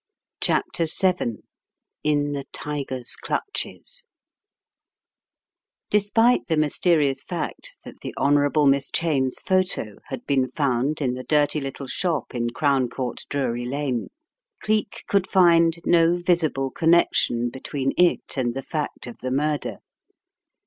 CHAPTER VII IN THE TIGER'S CLUTCHES DESPITE the mysterious fact that the Honour able Miss Cheyne's photo had been found in the dirty little shop in Crown Court, Drury Lane, Cleek could find no visible connec tion between it and the fact of the murder.